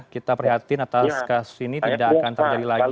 kita prihatin atas kasus ini tidak akan terjadi lagi